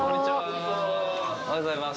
おはようございます。